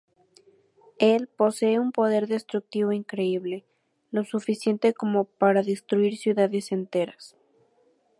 Él posee un poder destructivo increíble, lo suficiente como para destruir ciudades enteras.